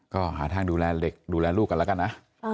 ก็หาทางดูแลเร็กลูกกันล่ะนะ